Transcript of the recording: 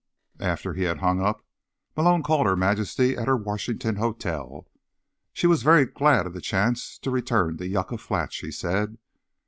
After he'd hung up, Malone called Her Majesty at her Washington hotel. She was very glad of the chance to return to Yucca Flats, she said.